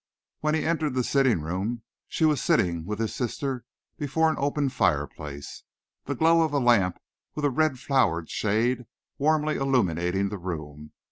When he entered the sitting room she was sitting with his sister before an open fire place, the glow of a lamp with a red flowered shade warmly illuminating the room.